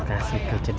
udah ibang ya